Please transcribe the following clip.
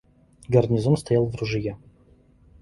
Гарнизон стоял в ружье.